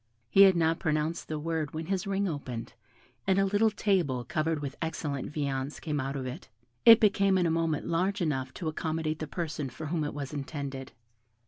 He had not pronounced the word when his ring opened, and a little table covered with excellent viands came out of it. It became in a moment large enough to accommodate the person for whom it was intended.